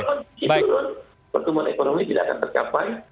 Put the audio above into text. kalau turun pertumbuhan ekonomi tidak akan tercapai